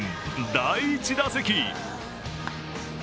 第１打席。